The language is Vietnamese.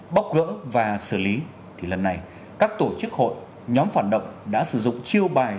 bóc gỡ và xử lý thì lần này các tổ chức hội nhóm phản động đã sử dụng chiêu bài